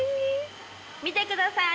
見てください。